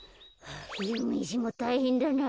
ゆうめいじんもたいへんだな。